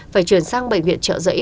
phải chuyển sang bệnh viện trợ giấy